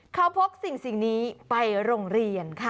เขาพกสิ่งนี้ไปโรงเรียนค่ะ